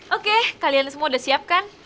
oke kalian semua udah siap kan